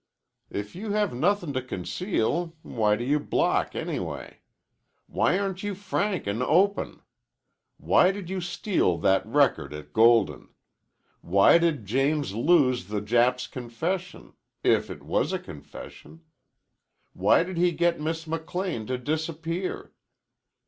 "If you have nothin' to conceal, why do you block anyway? Why aren't you frank an' open? Why did you steal that record at Golden? Why did James lose the Jap's confession if it was a confession? Why did he get Miss McLean to disappear?